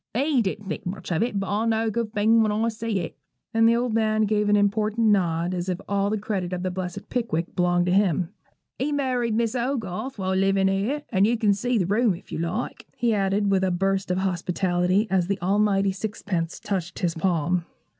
He didn't think much of it; but I know a good thing when I see it;' and the old man gave an important nod, as if all the credit of the blessed 'Pickwick' belonged to him. 'He married Miss Hogarth while livin' here; and you can see the room, if you like,' he added, with a burst of hospitality, as the almighty sixpence touched his palm.